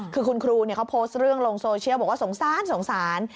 คือคุณครูเขาโพสต์เรื่องลงโซเชียลบอกว่าสงสารสงสาร